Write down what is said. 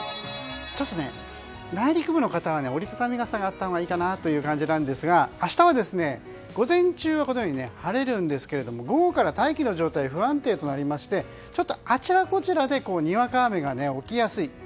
ちょっと内陸部の方は折り畳み傘があったほうがいいかなという感じですが明日は午前中は晴れるんですけど午後から大気の状態不安定となりましてあちらこちらでにわか雨が起きやすい。